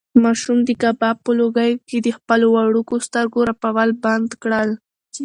ماشوم د کباب په لوګیو کې د خپلو وړوکو سترګو رپول بند کړل.